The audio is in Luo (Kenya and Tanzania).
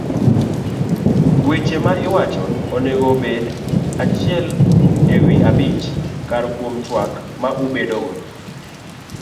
Weche ma iwacho onego obed achiel ewi abich kar kuom twak ma ubedogo.